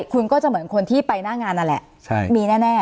คุณก็จะเหมือนคนที่ไปหน้างานนั่นแหละมีแน่